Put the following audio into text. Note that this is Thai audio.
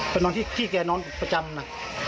แต่ที่แค่นอนประจำนะ